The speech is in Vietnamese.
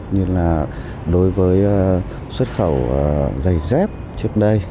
như là đối với xuất khẩu giày dép trước đây